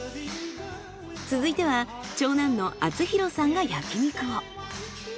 続いては長男の篤弘さんが焼肉を。